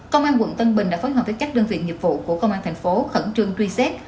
công an quận tân bình đã phóng hòa với các đơn vị nhiệm vụ của công an tp hcm khẩn trương tuy xét